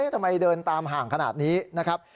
ทำไมเดินตามห่างขนาดนี้นะครับ